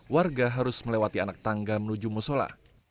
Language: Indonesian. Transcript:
warga harus melewati anak tangga menuju musola